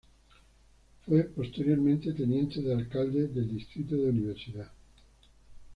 Fue posteriormente teniente de alcalde del distrito de Universidad.